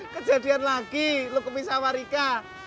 kejadian lagi lo kepisah sama rika